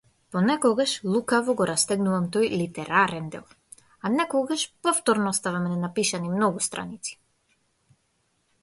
Понекогаш лукаво го растегнувам тој литерарен дел, а некогаш повторно оставам ненапишани многу страници.